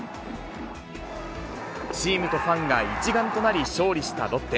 チームとファンが一丸となり勝利したロッテ。